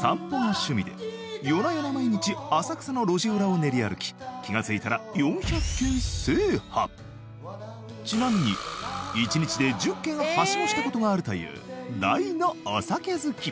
散歩が趣味で夜な夜な毎日浅草の路地裏を練り歩き気がついたらちなみにしたことがあるという大のお酒好き